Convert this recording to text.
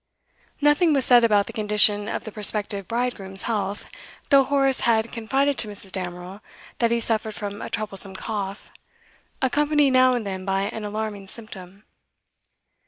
Nothing was said about the condition of the prospective bridegroom's health, though Horace had confided to Mrs. Damerel that he suffered from a troublesome cough, accompanied now and then by an alarming symptom.